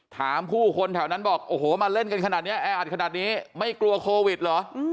ถามผู้คนแถวนั้นบอกโอ้โหมาเล่นกันขนาดนี้แออัดขนาดนี้ไม่กลัวโควิดเหรอ